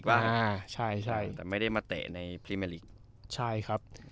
อ่าใช่ใช่แต่ไม่ได้มาเตะในใช่ครับ